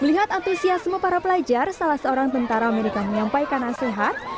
melihat antusiasme para pelajar salah seorang tentara amerika menyampaikan nasihat